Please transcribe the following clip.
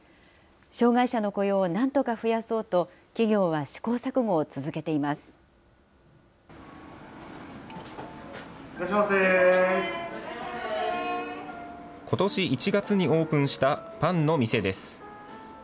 障害者の雇用をなんとか増やそうと、企業は試行錯誤を続けていまことし１月にオープンしたパンの店です。